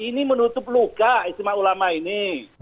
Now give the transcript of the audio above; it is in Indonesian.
ini menutup luka istimewa ulama ini